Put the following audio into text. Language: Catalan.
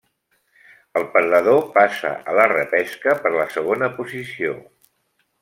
El perdedor passa a la repesca per la segona posició.